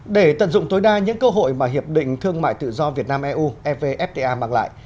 để tận dụng tối đa những cơ hội mà hiệp định thương mại tự do việt nam eu evfta mang lại